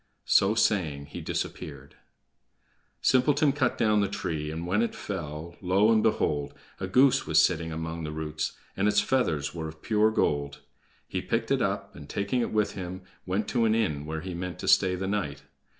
So saying, he disappeared. Simpleton cut down the tree, and when it fell, lo, and behold! a goose was sitting among the roots, and its feathers were of pure gold. He picked it up, and taking it with him, went to an inn, where he meant to stay the night.